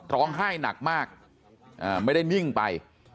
ร้องไห้หนักมากไม่ได้นิ่งไป